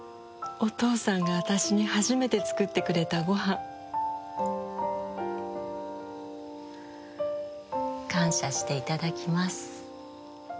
お父さんが私に初めて作ってくれたご飯感謝していただきます